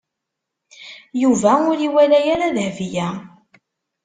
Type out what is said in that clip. Yuba ur iwala ara Dahbiya.